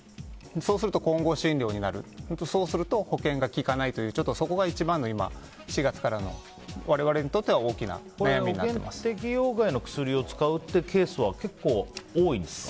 そうすると混合診療になるそうすると保険が利かないというそこが一番の今、４月からの我々にとっては保険適用外の薬を使うっていうケースは結構、多いんですか？